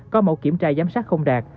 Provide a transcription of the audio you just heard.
có mẫu kiểm tra giám sát không đạt